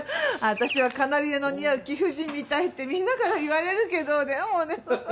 私はカナリアの似合う貴婦人みたいってみんなから言われるけどでもね。